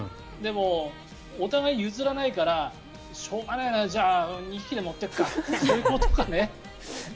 でも、お互い譲らないからしょうがないなじゃあ２匹で持ってくかということかね。